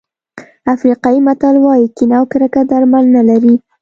افریقایي متل وایي کینه او کرکه درمل نه لري.